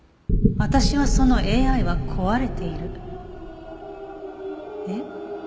私はそのＡＩは壊れているいえ